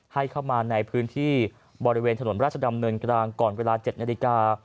ให้เข้ามาในพื้นที่บริเวณถนนราชดำเนินกลางก่อนเวลา๗นาฬิกา